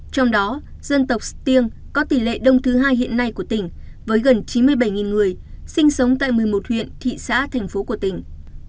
trong đó dân tộc stiêng có tỷ lệ đông thứ hai hiện nay của tỉnh với gần chín mươi bảy người sinh sống tại một mươi một huyện thị xã thành phố của tỉnh